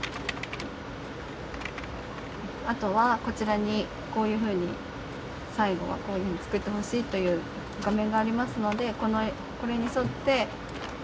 あとはこちらにこういうふうに最後はこういうふうに作ってほしいという画面がありますのでこれに沿って色もつけていきます。